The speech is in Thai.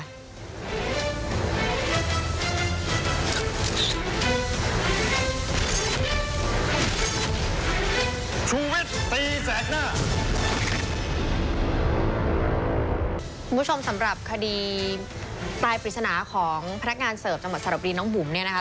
คุณผู้ชมสำหรับคดีปลายปริศนาของพนักงานเสิร์ฟจังหวัดสรบรีนน้องหุ่มเนี่ยนะคะ